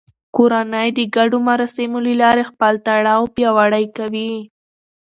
کورنۍ د ګډو مراسمو له لارې خپل تړاو پیاوړی کوي